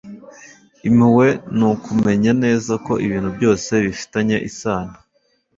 impuhwe ni ukumenya neza ko ibintu byose bifitanye isano